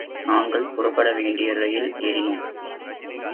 நாங்கள் புறப்பட வேண்டிய ரயில் ஏறினோம்.